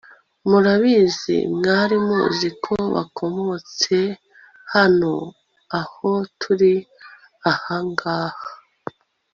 murabizi mwari muzi ko bakomotse hano aho turi aha ngaha